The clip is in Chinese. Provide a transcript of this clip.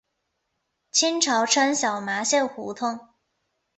清朝称小麻线胡同。